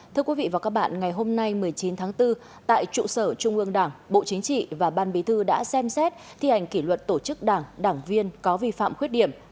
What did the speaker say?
thưa quý vị và các bạn ngày hôm nay một mươi chín tháng bốn tại trụ sở trung ương đảng bộ chính trị và ban bí thư đã xem xét thi hành kỷ luật tổ chức đảng đảng viên có vi phạm khuyết điểm